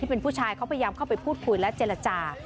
เป็นผู้ชายเขาพยายามเข้าไปพูดคุยและเจรจา